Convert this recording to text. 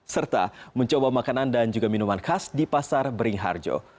serta mencoba makanan dan juga minuman khas di pasar beringharjo